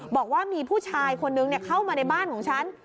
บอกว่ามีผู้ชายคนนึงเข้ามาในบ้านของฉัน